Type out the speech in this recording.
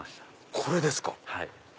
これですか。